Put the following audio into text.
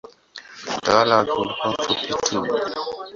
Utawala wake ulikuwa mfupi tu.